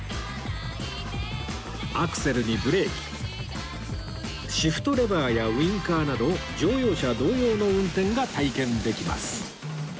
アクセルにブレーキシフトレバーやウィンカーなど乗用車同様の運転が体験できます